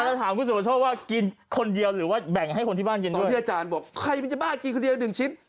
แล้วถามคุณสุประโชคว่ากินคนเดียวหรือว่าแบ่งให้คนที่บ้านกินตอนที่อาจารย์บอกใครมันจะบ้ากินคนเดียว๑ชิ้น